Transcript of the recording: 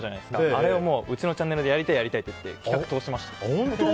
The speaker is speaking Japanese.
あれ、うちのチャンネルでやりたいって言って企画を通しました。